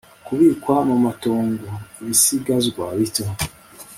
kubikwa mumatongo, ibisigazwa bito